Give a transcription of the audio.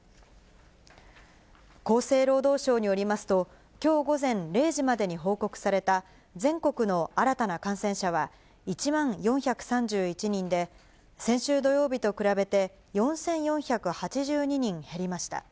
厚生労働省によりますと、きょう午前０時までに報告された全国の新たな感染者は１万４３１人で、先週土曜日と比べて４４８２人減りました。